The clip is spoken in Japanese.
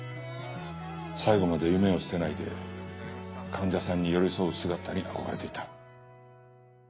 最期まで夢を捨てないで患者さんに寄り添う姿に憧れていた。